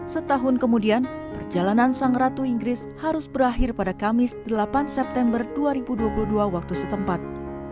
setahun kemudian perjalanan sang ratu inggris harus berakhir pada kamis delapan september dua ribu dua puluh dua waktu setempat